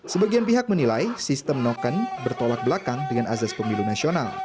sebagian pihak menilai sistem noken bertolak belakang dengan azas pemilu nasional